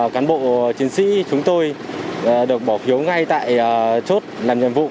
cán bộ chiến sĩ chúng tôi được bỏ phiếu ngay tại chốt làm nhiệm vụ